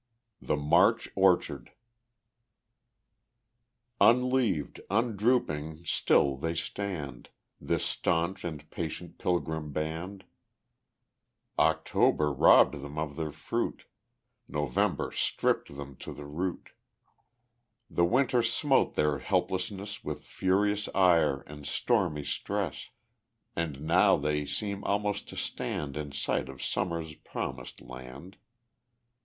The March Orchard Unleaved, undrooping, still, they stand, This stanch and patient pilgrim band; October robbed them of their fruit, November stripped them to the root, The winter smote their helplessness With furious ire and stormy stress, And now they seem almost to stand In sight of Summer's Promised Land.